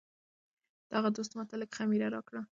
دغه دوست ماته لږه خمیره راکړه.